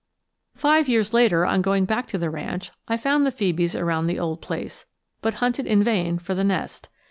] Five years later, on going back to the ranch, I found the phœbes around the old place, but hunted in vain for the nest.